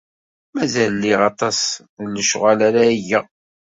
Mazal liɣ aṭas n lecɣal ara geɣ.